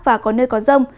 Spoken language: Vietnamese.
và có nơi có rông